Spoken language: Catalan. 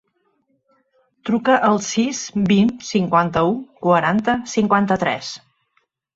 Truca al sis, vint, cinquanta-u, quaranta, cinquanta-tres.